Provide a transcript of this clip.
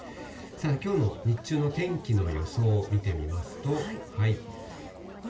きょうの日中の天気の予想見てみますと。